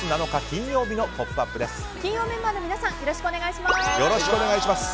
金曜メンバーの皆さんよろしくお願いします。